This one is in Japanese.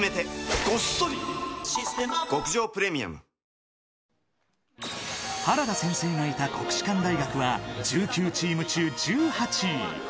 極上プレミアム原田先生がいた国士舘大学は、１９チーム中１８位。